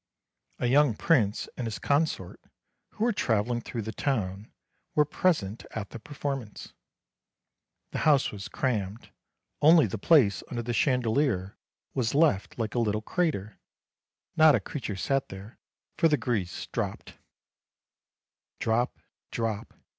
A young prince and his consort, who were travelling through the town, were present at the performance. The house was crammed; only the place under the chandelier was left like a little crater; not a creature sat there, for the grease dropped. 234 ANDERSEN'S FAIRY TALES ' Drop, drop.'